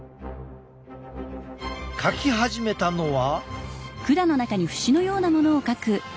描き始めたのは。